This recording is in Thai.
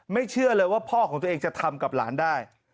เชื่อเลยว่าพ่อของตัวเองจะทำกับหลานได้